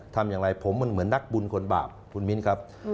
ทำอย่างไรผมมันเหมือนนักบุญคนบาปคุณมิ้นครับ